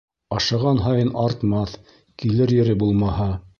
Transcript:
Ашаған һайын артмаҫ, килер ере булмаһа.